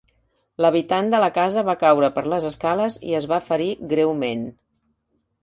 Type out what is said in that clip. L'habitant de la casa va caure per les escales i es va ferir greument.